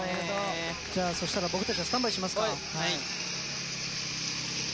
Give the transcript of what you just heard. じゃあそしたら僕たちはスタンバイしますか。